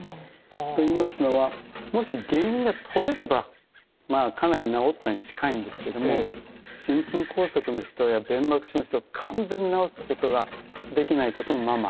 と言いますのはもし原因が取れればまあかなり治ったに近いんですけども心筋梗塞の人や弁膜症の人は完全に治すことができないこともままある。